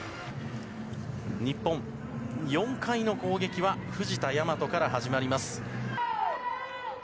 日本、４回の攻撃は藤田倭から始まります。